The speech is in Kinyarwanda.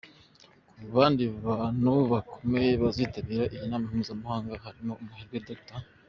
Mu bandi bantu bakomeye bazitabira iyi nama mpuzamahanga harimo umuherwe Dr.